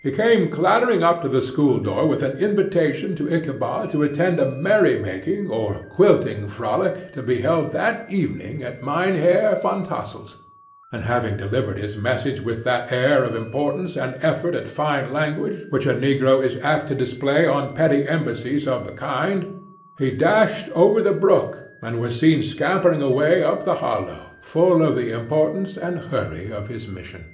He came clattering up to the school door with an invitation to Ichabod to attend a merry making or "quilting frolic," to be held that evening at Mynheer Van Tassel's; and having delivered his message with that air of importance, and effort at fine language, which a negro is apt to display on petty embassies of the kind, he dashed over the brook, and was seen scampering away up the hollow, full of the importance and hurry of his mission.